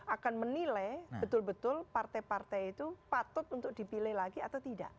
akan menilai betul betul partai partai itu patut untuk dipilih lagi atau tidak